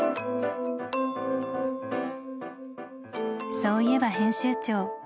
そういえば編集長